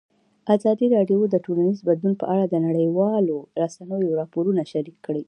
ازادي راډیو د ټولنیز بدلون په اړه د نړیوالو رسنیو راپورونه شریک کړي.